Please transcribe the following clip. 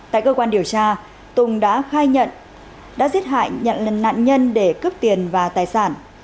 tại cơ quan điều tra tùng đã khai nhận đã giết hại nhận nạn nhân để cướp tiền và tài sản